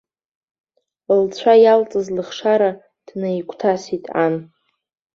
Лцәа иалҵыз лыхшара днаигәҭасит ан.